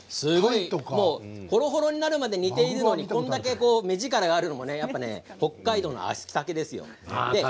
ほろほろになるまで煮ているけれども目力があるのが北海道の秋ざけですよ。